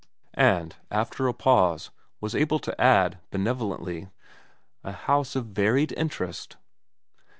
And, after a pause, was able to add benevolently, ' A house of varied interest.'